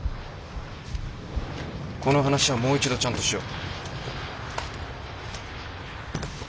この話はもう一度ちゃんとしよう。